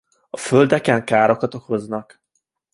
A földeken károkat okoznak.